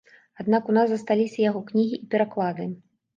Аднак у нас засталіся яго кнігі і пераклады.